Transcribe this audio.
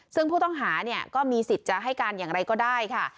ซึ่งผู้ต้องหาเนี่ยก็มีสิทธิ์จะให้การอย่างไรก็ได้ค่ะ